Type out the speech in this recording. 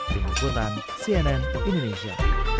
jum'at kutan cnn indonesia